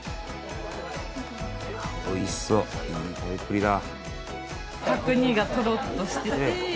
おいしそういい食べっぷりだ。